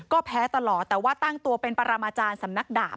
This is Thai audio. ก็แพ้ตลอดแต่ว่าตั้งตัวเป็นปรมาจารย์สำนักดาบ